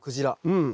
うん。